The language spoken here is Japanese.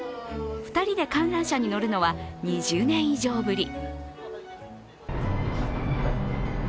２人で観覧車に乗るのは２０年以上ぶり。